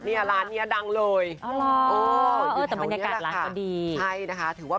เนี่ยร้านเนี่ยดังเลย